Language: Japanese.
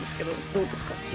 どうですか？